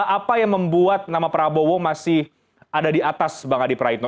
apa yang membuat nama prabowo masih ada di atas bang adi praitno